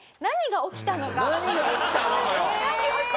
何が起きたのよ！